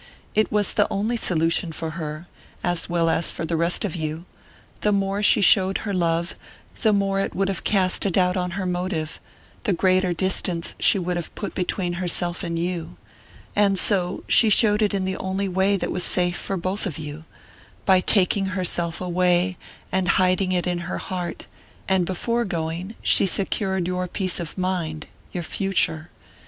"It was the only solution for her, as well as for the rest of you. The more she showed her love, the more it would have cast a doubt on her motive...the greater distance she would have put between herself and you. And so she showed it in the only way that was safe for both of you, by taking herself away and hiding it in her heart; and before going, she secured your peace of mind, your future.